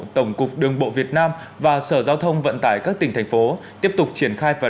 tổng cục đường bộ việt nam và sở giao thông vận tải các tỉnh thành phố tiếp tục triển khai và